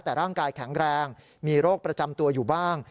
แต่ร่างกายแข็งแรงมีโรคประจำตัวอยู่บ้าง